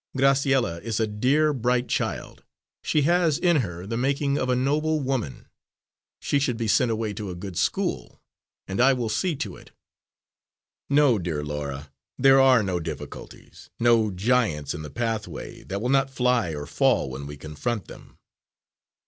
Graciella is a dear, bright child; she has in her the making of a noble woman; she should be sent away to a good school, and I will see to it. No, dear Laura, there are no difficulties, no giants in the pathway that will not fly or fall when we confront them."